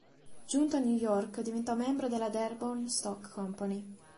Giunto a New York, diventò membro della Dearborn Stock Company.